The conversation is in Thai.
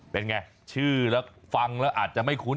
เป็นไงชื่อแล้วฟังแล้วอาจจะไม่คุ้น